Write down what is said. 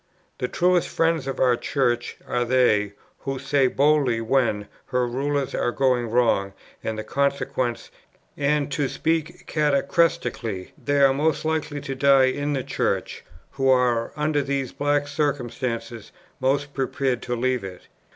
The truest friends of our Church are they, who say boldly when her rulers are going wrong, and the consequences; and (to speak catachrestically) they are most likely to die in the Church, who are, under these black circumstances, most prepared to leave it.